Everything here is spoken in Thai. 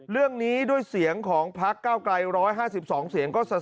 เรื่องนี้ด้วยเสียงของพักเก้าไกล๑๕๒เสียงก็สะ